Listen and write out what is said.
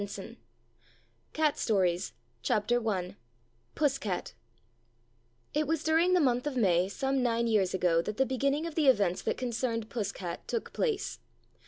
227 GAT STORIES " PUSS GAT" It was during the month of May some nine years ago that the beginning of the events that concerned Puss cat took place.